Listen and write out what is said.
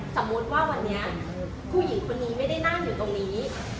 สมมุติว่าวันนี้ผู้หญิงคนนี้ไม่ได้นั่งอยู่ตรงนี้